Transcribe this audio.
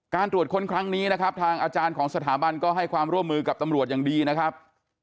ตรวจค้นครั้งนี้นะครับทางอาจารย์ของสถาบันก็ให้ความร่วมมือกับตำรวจอย่างดีนะครับ